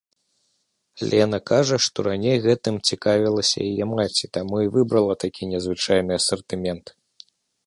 Лена кажа, што раней гэтым цікавілася яе маці, таму і выбрала такі незвычайны асартымент.